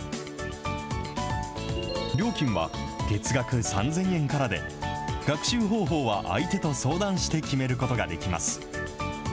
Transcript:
料金は月額３０００円からで、学習方法は相手と相談して決めることができます。